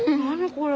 これ。